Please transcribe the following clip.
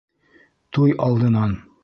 Туй алдынан...